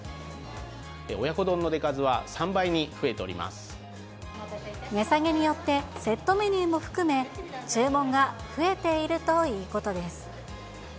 親子丼の出数は３倍に増えて値下げによってセットメニューも含め、注文が増えているということです。